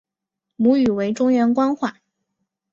母语为中原官话。